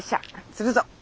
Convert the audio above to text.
釣るぞ。